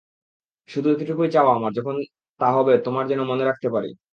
শুধু এতটুকুই চাওয়া আমার, যখন তা হবে তোমাকে যেন মনে রাখতে পারি।